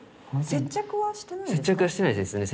接着はしてないですね。